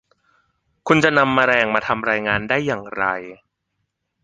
คุณจะนำแมลงมาทำรายงานได้อย่างไร